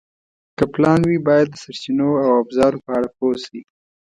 که پلان وي، باید د سرچینو او ابزارو په اړه پوه شئ.